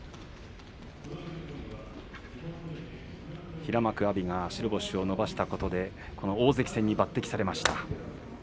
平幕阿炎が白星を伸ばしたことで大関戦に抜てきされました。